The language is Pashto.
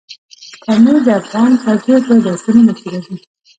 پامیر د افغان کلتور په داستانونو کې راځي.